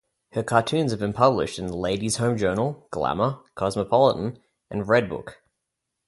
Her cartoons have been published in "Ladies' Home Journal", "Glamour", "Cosmopolitan" and "Redbook".